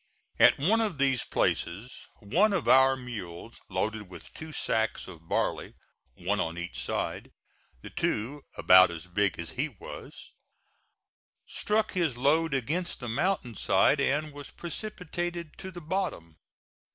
At one of these places one of our mules loaded with two sacks of barley, one on each side, the two about as big as he was, struck his load against the mountain side and was precipitated to the bottom.